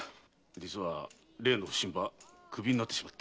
実は例の普請場クビになってしまって。